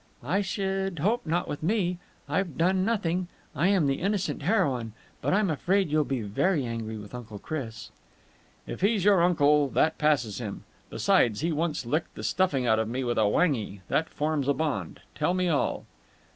"I should hope not with me. I've done nothing. I am the innocent heroine. But I'm afraid you will be very angry with Uncle Chris." "If he's your uncle, that passes him. Besides, he once licked the stuffing out of me with a whangee. That forms a bond. Tell me all."